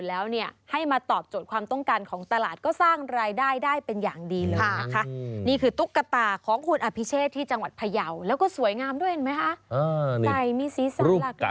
อันนี้จ่างหวัดพะยาวแล้วก็สวยงามด้วยเห็นไหมครับ